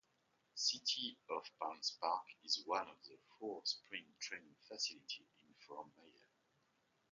City of Palms Park is one of four spring training facilities in Fort Myers.